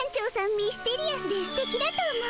ミステリアスですてきだと思う。